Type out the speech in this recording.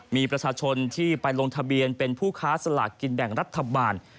มีประชาชนที่ไปลงทะเบียนเป็นผู้ค้าสลากกินแบ่งรัฐบาล